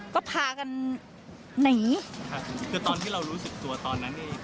ก็พากันหนีครับคือตอนที่เรารู้สึกตัวตอนนั้นนี่